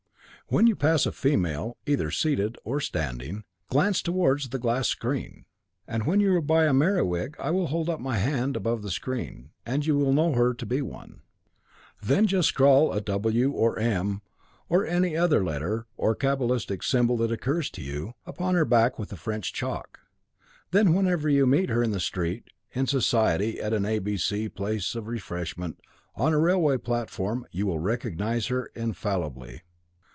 When you pass a female, either seated or standing, glance towards the glass screen, and when you are by a Merewig I will hold up my hand above the screen, and you will know her to be one; then just scrawl a W or M, or any letter or cabalistic symbol that occurs to you, upon her back with the French chalk. Then whenever you meet her in the street, in society, at an A. B. C. place of refreshment, on a railway platform, you will recognise her infallibly.'